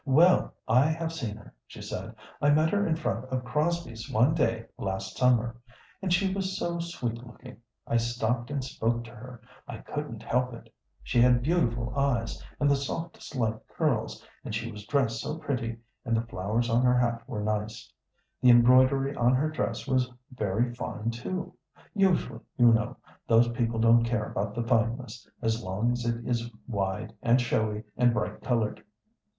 "Well, I have seen her," she said. "I met her in front of Crosby's one day last summer. And she was so sweet looking I stopped and spoke to her I couldn't help it. She had beautiful eyes, and the softest light curls, and she was dressed so pretty, and the flowers on her hat were nice. The embroidery on her dress was very fine, too. Usually, you know, those people don't care about the fineness, as long as it is wide, and showy, and bright colored.